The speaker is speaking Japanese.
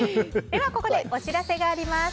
では、ここでお知らせがあります。